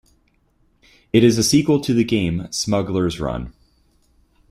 It is a sequel to the game "Smuggler's Run".